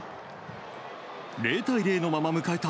０対０のまま迎えた